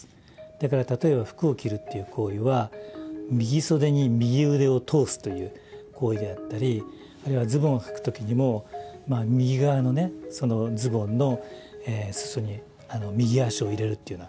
だから例えば服を着るっていう行為は右袖に右腕を通すという行為であったりあるいはズボンをはく時にも右側のねズボンの裾に右足を入れるというような行為。